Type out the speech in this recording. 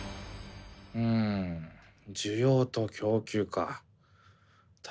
ん需要と供給かあ。